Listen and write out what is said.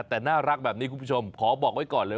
แต่น่ารักแบบนี้คุณผู้ชมขอบอกไว้ก่อนเลย